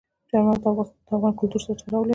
چار مغز د افغان کلتور سره تړاو لري.